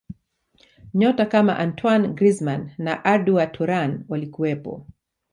nyota kama antoine grizman na arda turan walikuwepo